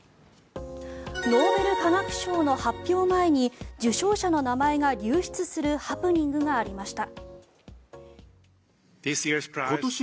ノーベル化学賞の発表前に受賞者の名前が流出するハプニングがありました。